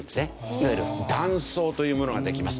いわゆる断層というものができます。